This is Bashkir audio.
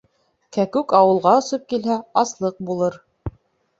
Кәкүк ауылға осоп килһә, аслыҡ булыр.